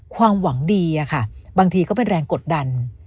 ความหวังดีค่ะบางทีก็เป็นแรงกดดัน